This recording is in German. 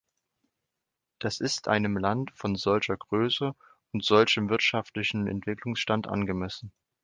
Das ist einem Land von solcher Größe und solchem wirtschaftlichen Entwicklungsstand angemessen.